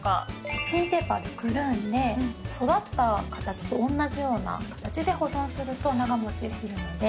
キッチンペーパーでくるんで育った形とおんなじような形で保存すると長持ちするので。